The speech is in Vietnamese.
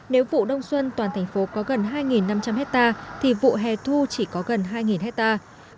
nếu vụ đông xuân toàn thành phố có gần hai năm trăm linh hectare thì vụ hè thu chỉ có gần hai hectare